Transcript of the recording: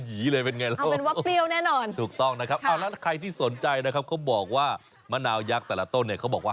หรือว่าลูกมันค่อนข้างจะใหญ่คือถ้าแบบมองตากตามมันเหมือนส้มโอ้